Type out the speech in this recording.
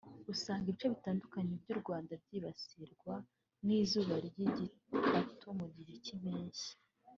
usanga ibice bitandukanye by’u Rwanda byibasirwa n’izuba ry’igikatu mu gihe cy’impeshyi